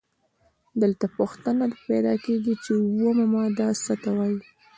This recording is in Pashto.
دلته پوښتنه پیدا کیږي چې اومه ماده څه ته وايي؟